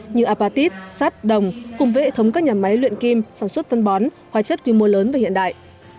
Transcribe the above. như apatit sát đồng cùng vệ thống các nhà máy luyện kim sản xuất phân bón hóa chất quy mô lớn và hiện đại